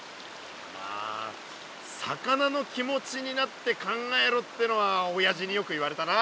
まあ魚の気持ちになって考えろってのはおやじによく言われたな。